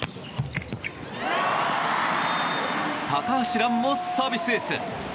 高橋藍もサービスエース！